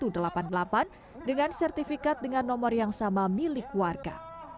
dengan sertifikat dengan nomor yang sama milik warga